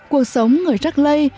cuộc sống người rắc lây